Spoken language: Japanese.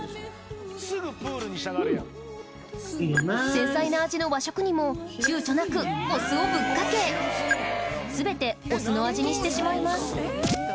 繊細な味の和食にも躊躇なくお酢をぶっかけ全てお酢の味にしてしまいます